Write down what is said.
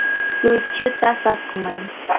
luychuta saqmay.